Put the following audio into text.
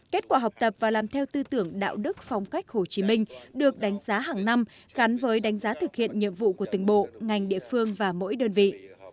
kết quả học tập và làm theo tư tưởng đạo đức phong cách hồ chí minh được đánh giá hàng năm gắn với đánh giá thực hiện nhiệm vụ của từng bộ ngành địa phương và mỗi đơn vị